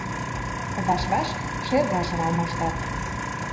Ваш-ваш шергашым алмаштат.